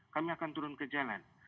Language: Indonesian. kami akan turun ke jalan